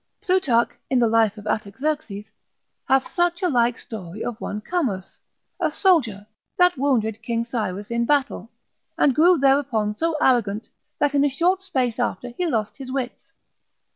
Plutarch in the life of Artaxerxes, hath such a like story of one Chamus, a soldier, that wounded king Cyrus in battle, and grew thereupon so arrogant, that in a short space after he lost his wits.